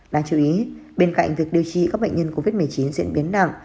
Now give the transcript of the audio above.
đáng chú ý bên cạnh việc điều trị các bệnh nhân covid một mươi chín diễn biến nặng